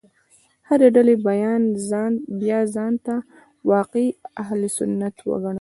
هرې ډلې بیا ځان واقعي اهل سنت وګڼل.